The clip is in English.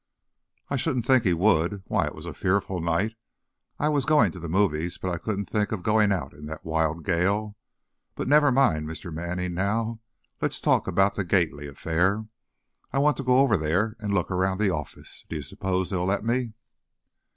"I shouldn't think he would! Why, it was a fearful night. I was going to the movies, but I couldn't think of going out in that wild gale! But never mind Mr. Manning now, let's talk about the Gately affair. I want to go over there and look around the office. Do you suppose they'd let me?"